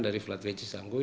dari flatway cisangkui